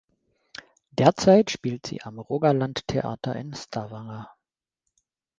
Derzeit spielt sie am Rogaland Teater in Stavanger.